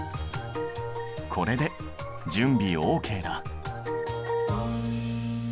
これで準備ＯＫだ。